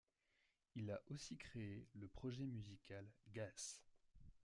Il a aussi créé le projet musical Gas.